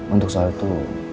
untuk soal itu